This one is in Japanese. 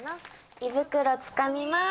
胃袋つかみます。